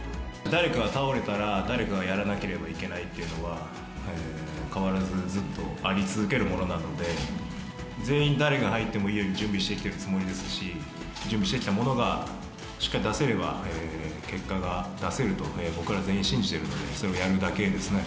誰かが倒れたら、誰かがやらなければいけないというのは、変わらずずっとあり続けるものなので、全員、誰が入ってもいいように準備してきているつもりですし、準備してきたものがしっかり出せれば、結果が出せると僕ら全員信じているので、それをやるだけですね。